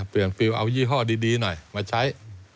เอายี่ห้อดีหน่อยมาใช้